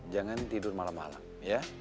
jangan tidur malam malam ya